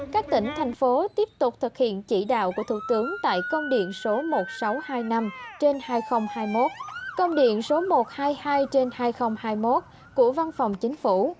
các tỉnh thành phố tiếp tục thực hiện chỉ đạo của thủ tướng tại công điện số một nghìn sáu trăm hai mươi năm trên hai nghìn hai mươi một công điện số một trăm hai mươi hai trên hai nghìn hai mươi một của văn phòng chính phủ